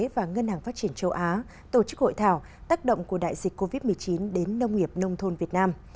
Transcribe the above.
và ngân hàng phát triển châu á tổ chức hội thảo tác động của đại dịch covid một mươi chín đến nông nghiệp nông thôn việt nam